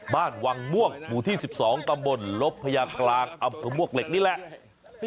บ้านวังม่วงหมู่ที่๑๒ตำบลลบพญากลางอำเภอมวกเหล็กนี่แหละ